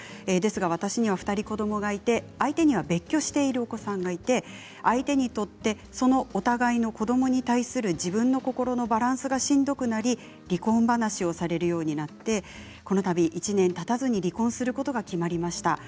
ですが私には２人子どもがいて相手には別居しているお子さんがいて相手にとっての子どもに対する自分の心のバランスがしんどくなり離婚話をされるようになってこのたび、１年たたずに離婚することが決まりました。